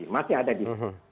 masih ada di